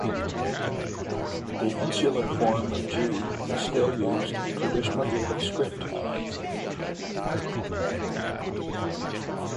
The insular form of g is still used in traditional Gaelic script.